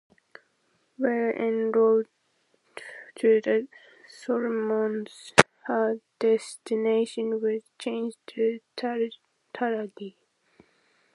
While en route to the Solomons, her destination was changed to Tulagi.